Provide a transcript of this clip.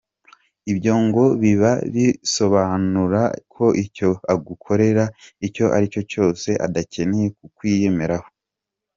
Ibyo ngo biba bisobanura ko icyo agukorera icyo aricyo cyose adakeneye kukwiyemeraho.